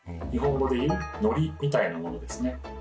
日本語で言う「ノリ」みたいなものですね。